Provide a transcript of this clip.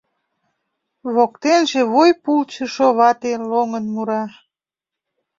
Воктенже вуй пулчышо вате лоҥын мура: